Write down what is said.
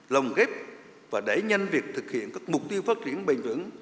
lồng ghép và đẩy nhanh việc thực hiện các mục tiêu phát triển bền vững